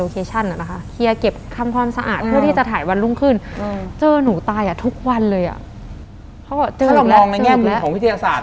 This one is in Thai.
เจอหนูและเพราะว่าเขาเจอหนูและถ้เรามองในแง่นิดนึงของวิทยาศาสตร์